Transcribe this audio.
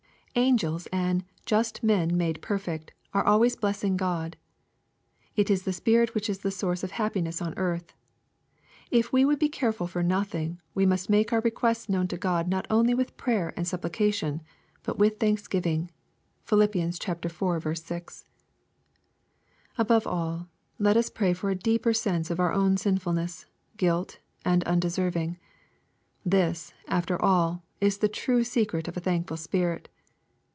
Angels and "just men made perfect" are always blessing God. — ^It is the spirit which is the source of happiness on earth. If we would be careful for nothing, we must make our requests known to God not only with prayer and supplication, but with thanksgiving. (Phil. iv. 6.) Above all, let us pray for a deeper sense of our own sinfulness, guilt, and undeserving. This, after all, is the true secret of a thankful spirit.